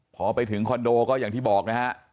พอไปถึงคอนโดก็อย่างที่บอกนะฮะ